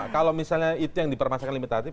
kalau misalnya itu yang dipermasakan limitatif